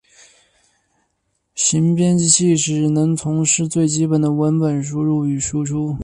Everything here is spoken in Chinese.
行编辑器只能从事最基本的文本输入与输出。